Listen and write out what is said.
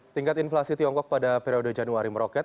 tingkat inflasi tiongkok pada periode januari meroket